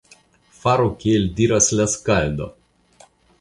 Faru kiel diras la skaldo!